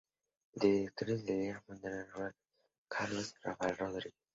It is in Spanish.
Entre los directores del diario figuraron Blas Roca y Carlos Rafael Rodríguez.